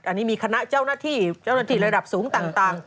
อันนี้มีคณะเจ้าหน้าที่ระดับสูงต่าง